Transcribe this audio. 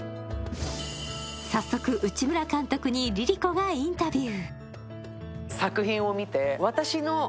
早速、内村監督にＬｉＬｉＣｏがインタビュー。